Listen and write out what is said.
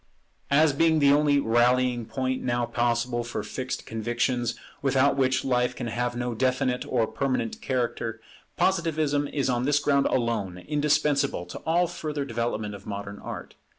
As being the only rallying point now possible for fixed convictions, without which life can have no definite or permanent character, Positivism is on this ground alone indispensable to all further development of modern Art.